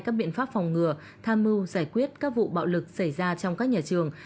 các biện pháp phòng ngừa tham mưu giải quyết các vụ bạo lực xảy ra trong các nhà trường